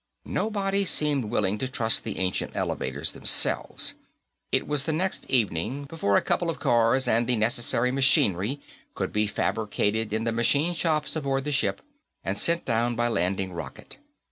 Nobody seemed willing to trust the ancient elevators, themselves; it was the next evening before a couple of cars and the necessary machinery could be fabricated in the machine shops aboard the ship and sent down by landing rocket.